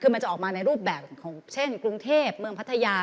คือมันจะออกมาในรูปแบบของเช่นกรุงเทพเมืองพัทยา